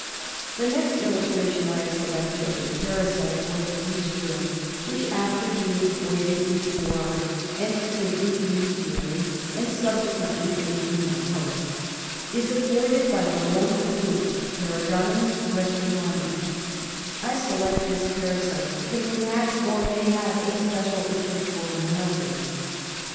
The next illustration I shall select of a parasite, or disease germ, which, after being voided into water, enters an intermediary and subsequently a human host, is afforded by the lung fluke — Paragonimus westermanni, I select this parasite because it has, or may have, a special interest for Americans.